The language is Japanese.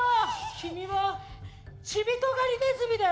君はチビトガリネズミだよ！